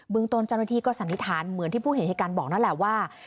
ตนเจ้าหน้าที่ก็สันนิษฐานเหมือนที่ผู้เห็นเหตุการณ์บอกนั่นแหละว่า